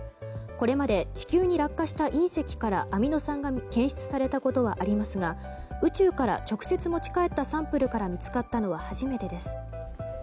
これまで地球に落下した隕石からアミノ酸が検出されたことはありますが宇宙から直接持ち帰ったサンプルから見つかったのは初めてです。